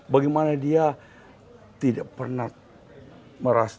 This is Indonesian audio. bagaimana dia tidak pernah merasa